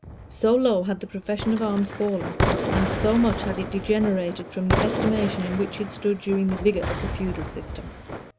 So low had the profession of arms fallen, and so much had it degenerated from the estimation in which it stood during the vigor of the feudal system!